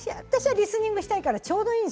リスニングしたいからちょうどいい。